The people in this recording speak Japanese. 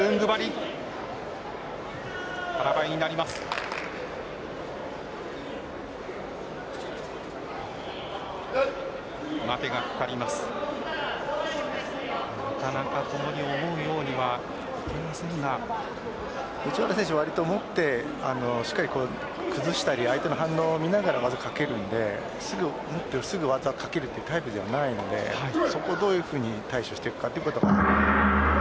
藤原選手は持ってしっかり崩したり相手の反応を見ながらかけるのですぐに技をかけるというタイプではないのでそこをどういうふうに対処していくか。